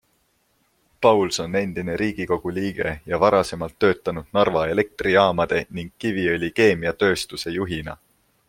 Pauls on endine Riigikogu liige ja varasemalt töötanud Narva Elektrijaamade ning Kiviõli Keemiatööstuse juhina.